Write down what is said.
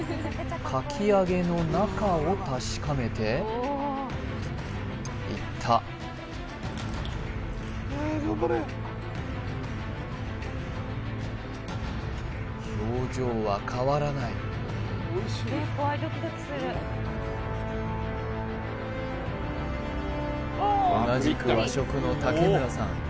かき揚げの中を確かめていった表情は変わらない同じく和食の竹村さん